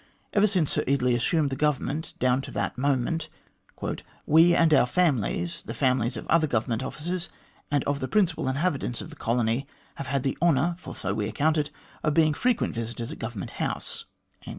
Ever since Sir Eardley assumed the Government down to that moment, " we and our families, the families of the other Government officers, and of the principal inhabitants of the colony, have had the honour (for so we account it) of being frequent visitors at Government House."